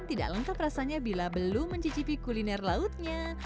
tidak lengkap rasanya bila belum mencicipi kuliner lautnya